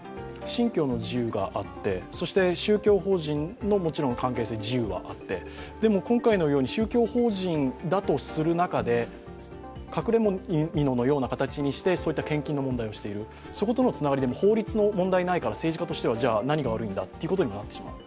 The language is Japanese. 信教の自由があって、そして宗教法人の関係性、自由があって、でも、今回のように宗教法人だとする中で隠れみののような形にして献金のようなことをしているそことのつながりでも、法律の問題がないから政治家としては何が悪いんだということになってしまう。